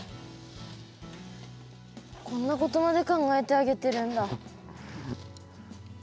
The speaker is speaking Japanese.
こんなことまで考えてあげてるんだ。